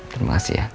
terima kasih ya